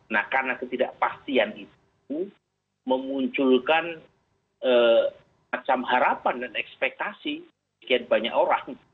nah karena ketidakpastian itu memunculkan macam harapan dan ekspektasi sekian banyak orang